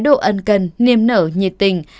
hẹn gặp lại